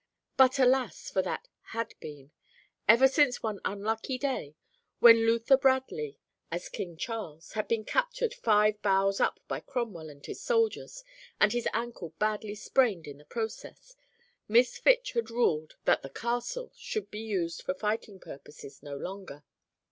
But alas, for that "had been!" Ever since one unlucky day, when Luther Bradley, as King Charles, had been captured five boughs up by Cromwell and his soldiers, and his ankle badly sprained in the process, Miss Fitch had ruled that "The Castle" should be used for fighting purposes no longer.